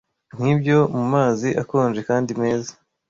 nkibyo mumazi akonje kandi meza